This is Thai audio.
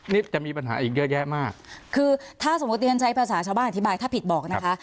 นี่จะมีปัญหาอีกเยอะแยะมากคือถ้าสมมุติฉันใช้ภาษาชาวบ้านอธิบายถ้าผิดบอกนะคะ